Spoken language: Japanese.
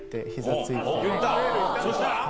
そうしたら？